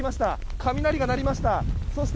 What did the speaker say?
雷が鳴りました。